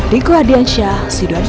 diku hadiansyah sidoarjo